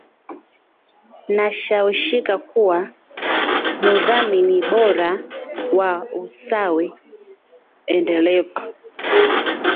nashawishika kuwa mudhamini bora wa usawi endelevu